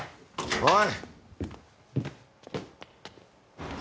おい！